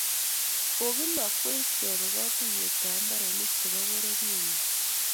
Kokimakwech kebe katuyet ab imbarenik chebo bororienyo